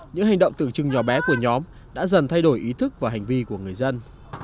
những hành động tưởng chừng nhỏ bé của nhóm đã dần thay đổi ý thức và hành vi của người dân